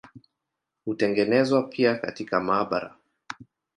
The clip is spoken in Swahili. Hutengenezwa pia katika maabara.